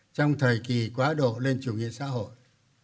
trong thời kỳ quá độ lên chủ nghĩa xã hội